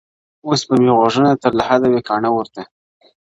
اوس به مي غوږونه تر لحده وي کاڼه ورته-